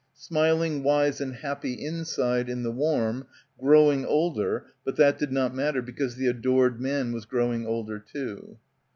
Smiling, wise and happy inside in the warm; growing older, but that did not matter because the adored man was growing older too.